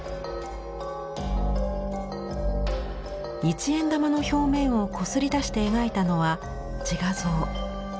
一円玉の表面をこすり出して描いたのは自画像。